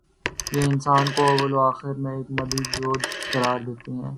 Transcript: یہ انسان کو اوّ ل و آخر ایک مادی وجود قرار دیتے ہیں۔